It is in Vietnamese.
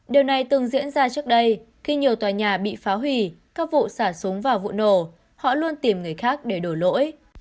điều này từng diễn ra trước đây khi nhiều tòa nhà bị phá hủy các vụ xả súng vào vụ nổ họ luôn tìm người khác để đổi lỗi